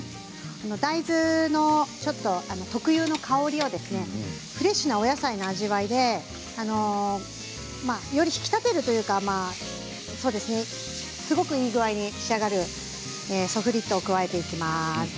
大豆のちょっと特有の香りをフレッシュなお野菜の味わいでより引き立てるというかそうですね、すごくいい具合に仕上がるソフリットを加えていきます。